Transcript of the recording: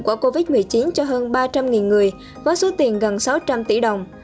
của covid một mươi chín cho hơn ba trăm linh người với số tiền gần sáu trăm linh tỷ đồng